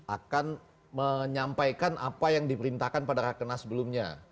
akan menyampaikan apa yang di perintahkan pada rakenas sebelumnya